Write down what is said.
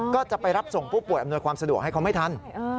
ก็จะไปรับส่งผู้ป่วยอำนวยความสะดวกให้เขาไม่ทัน